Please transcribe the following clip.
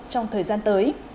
trong thời gian tới